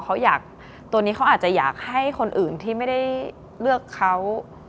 เขาอยากตัวนี้เขาอาจจะอยากให้คนอื่นที่ไม่ได้เลือกเขา